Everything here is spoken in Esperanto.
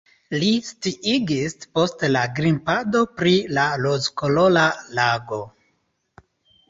Li sciigis post la grimpado pri la rozkolora lago.